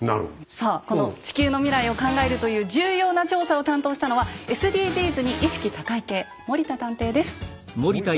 さあこの地球の未来を考えるという重要な調査を担当したのはＳＤＧｓに意識高い系森田探偵です。